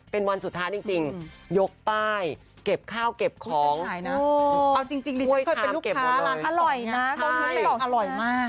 เป็นวันสุดท้านจริงยกป้ายเก็บข้าวเก็บของด้วยข้ามเก็บหมดเลยอร่อยนะต้องนึกว่าอร่อยมาก